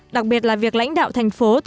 đặc biệt là việc lãnh đạo thành phố cần thơ